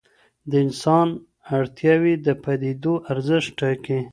د انسان اړتیاوې د پدیدو ارزښت ټاکي.